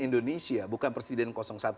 indonesia bukan presiden satu ratus dua